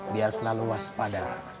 biar selalu waspada